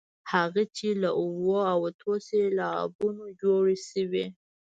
هغه چې له اوو او اتو سېلابونو جوړې شوې.